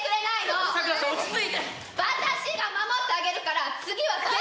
私が守ってあげるから次は絶対！